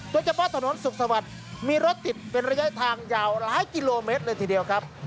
โดยเฉพาะถนนสุขสวัสดิ์มีรถติดเป็นระยะทางยาวหลายกิโลเมตรเลยทีเดียวครับ